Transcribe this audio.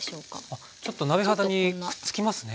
あちょっと鍋肌にくっつきますね。